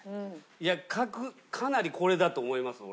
いやかなりこれだと思います俺は。